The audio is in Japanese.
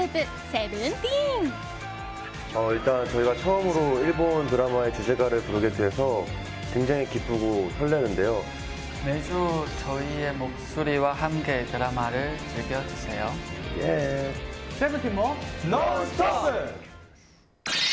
ＳＥＶＥＮＴＥＥＮも「ノンストップ！」。